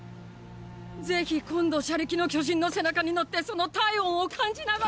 ぜひ今度車力の巨人の背中に乗ってその体温を感じながら！